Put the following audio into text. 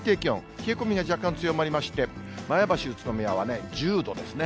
冷え込みが若干強まりまして、前橋、宇都宮は１０度ですね。